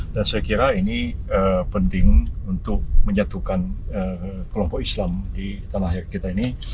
dan saya kira ini penting untuk menyatukan kelompok islam di tanah air kita ini